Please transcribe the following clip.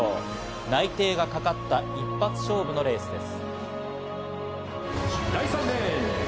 内定がかかった一発勝負のレースです。